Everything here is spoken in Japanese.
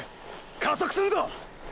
加速すんぞ！！